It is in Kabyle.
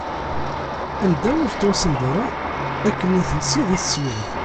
Anda ur tettwassneḍ ara, akken i telsiḍ i teswiḍ.